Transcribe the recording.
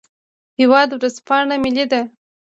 هیواد ورځپاڼه ملي ده